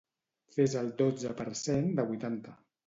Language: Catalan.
Fes el dotze per cent de vuitanta.